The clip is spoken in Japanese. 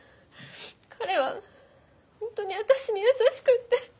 彼は本当に私に優しくて。